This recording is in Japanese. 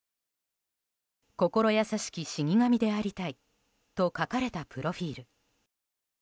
「心優しき死神でありたい」と書かれたプロフィール。